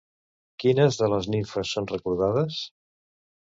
Quines de les nimfes són recordades?